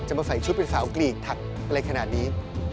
มาใส่ชุดเป็นสาวกลีกถักอะไรขนาดนี้